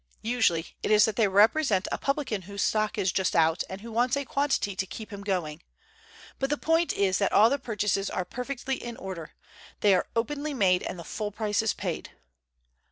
Usually it is that they represent a publican whose stock is just out, and who wants a quantity to keep him going. But the point is that all the purchases are perfectly in order. They are openly made and the full price is paid.